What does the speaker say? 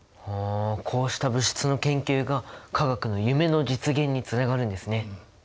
こうした物質の研究が化学の夢の実現につながるんですね。